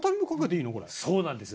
そうなんです！